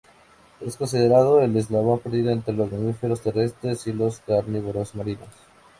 Es considerado el eslabón perdido entre los mamíferos terrestres y los carnívoros marinos.